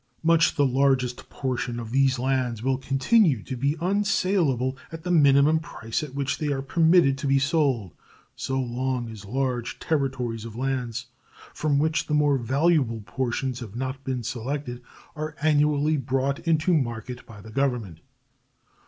Much the largest portion of these lands will continue to be unsalable at the minimum price at which they are permitted to be sold so long as large territories of lands from which the more valuable portions have not been selected are annually brought into market by the Government.